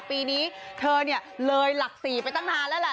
ปีนี้เธอเนี่ยเลยหลัก๔ไปตั้งนานแล้วแหละ